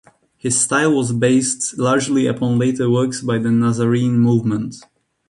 His style was based largely upon later works by the Nazarene movement.